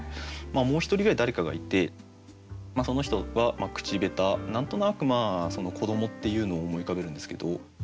もう一人ぐらい誰かがいてその人は口下手何となく子どもっていうのを思い浮かべるんですけど。